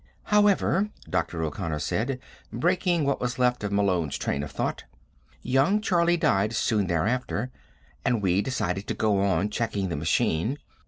"However," Dr. O'Connor said, breaking what was left of Malone's train of thought, "young Charlie died soon thereafter, and we decided to go on checking the machine.